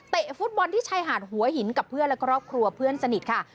ฟุตบอลที่ชายหาดหัวหินกับเพื่อนและครอบครัวเพื่อนสนิทค่ะ